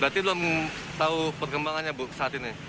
berarti belum tahu perkembangannya bu saat ini